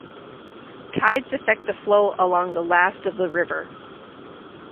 Tides affect the flow along the last of the river.